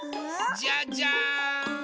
じゃじゃん！